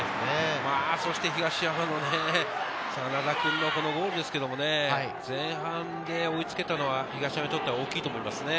そして東山の真田君のゴールですね、前半で追いつけたのは東山にとっては大きいと思います。